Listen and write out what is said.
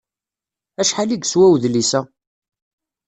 Acḥal i yeswa udlis-a?